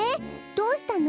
どうしたの？